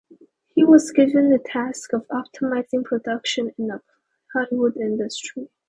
He was given the task of optimizing production in a plywood industry.